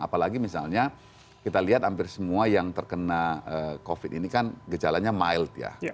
apalagi misalnya kita lihat hampir semua yang terkena covid ini kan gejalanya mild ya